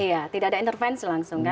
iya tidak ada intervensi langsung kan